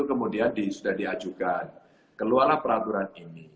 kemudian sudah diajukan keluarlah peraturan ini